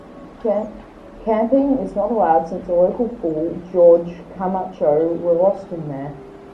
Camping is not allowed since a local fool, Jorge Camacho, were lost in there.